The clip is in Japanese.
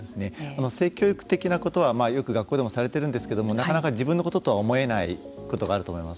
性教育的なことはよく学校でもされているんですけれどもなかなか自分のこととは思えないことがあると思います。